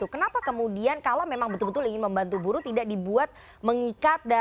kenapa kemudian kalau memang betul betul ingin membantu buruh tidak dibuat mengikat dan kemudian dibuat upah